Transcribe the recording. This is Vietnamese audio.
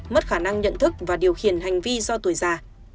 mất khả năng nhận thức và điều khiển hành vi do tuổi già